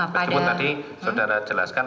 padahal tadi saudara jelaskan